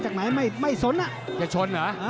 ติดตามยังน้อยกว่า